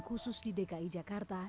khusus di dki jakarta